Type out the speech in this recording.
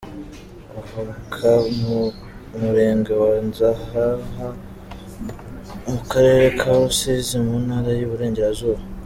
Avuka mu Murenge wa Nzahaha mu Karere ka Rusizi mu Ntara y’Iburengerazuba.